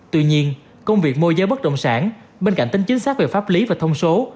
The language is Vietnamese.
tuy nhiên công việc môi giới bất động sản bên cạnh tính chính xác về pháp lý và thông số